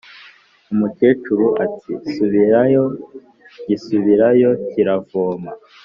umukecuru ati: “subirayo”. gisubirayo kiravoma,